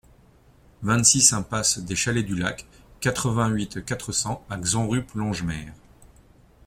vingt-six impasse des Chalets du Lac, quatre-vingt-huit, quatre cents à Xonrupt-Longemer